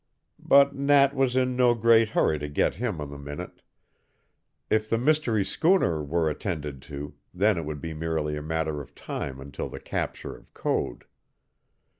But Nat was in no great hurry to get him on the minute; if the mystery schooner were attended to, then it would be merely a matter of time until the capture of Code.